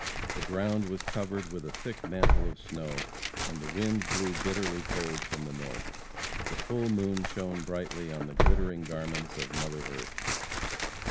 The ground was covered with a thick mantle of snow, and the wind blew bitterly cold from the north; the full moon shone brightly on the glittering garments of mother earth.